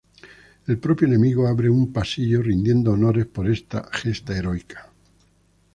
El propio enemigo abre un pasillo rindiendo honores por esta gesta heroica.